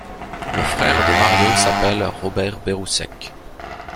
Le frère de Mario s'appelle Robert Berousek.